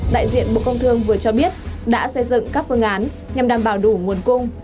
đại diện bộ công thương vừa cho biết đã xây dựng các phương án nhằm đảm bảo đủ nguồn cung